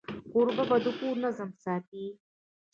کوربه د کور نظم ساتي.